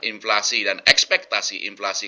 inflasi dan ekspektasi inflasi